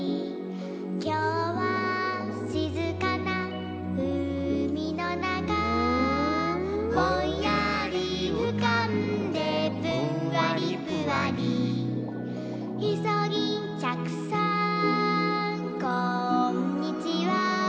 「きょうはしずかなうみのなか」「ぼんやりうかんでぷんわりぷわり」「いそぎんちゃくさんこんにちは！」